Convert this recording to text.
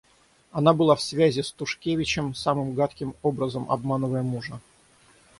Она была в связи с Тушкевичем, самым гадким образом обманывая мужа.